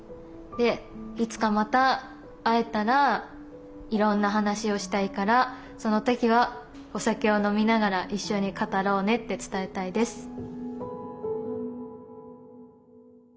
で「いつかまた会えたらいろんな話をしたいからその時はお酒を飲みながら一緒に語ろうね」って伝えたいです。